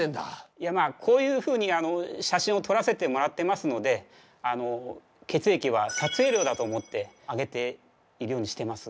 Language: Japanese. いやまあこういうふうに写真を撮らせてもらってますので血液は撮影料だと思ってあげているようにしてます。